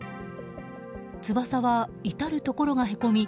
翼は、至るところがへこみ